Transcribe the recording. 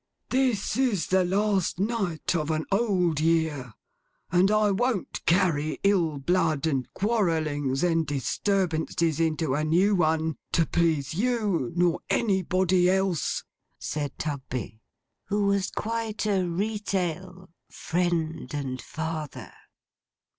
'This is the last night of an Old Year, and I won't carry ill blood and quarrellings and disturbances into a New One, to please you nor anybody else,' said Tugby, who was quite a retail Friend and Father.